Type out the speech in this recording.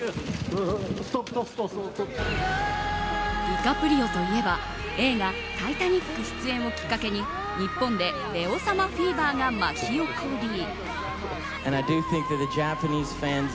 ディカプリオといえば映画「タイタニック」出演をきっかけに日本でレオ様フィーバーが巻き起こり。